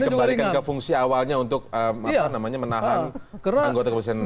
jadi dikembalikan ke fungsi awalnya untuk menahan anggota kepolisian nakal